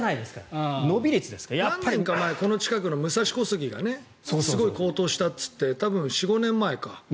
何年か前この近くの武蔵小杉がすごい高騰したといって多分、４５年前か。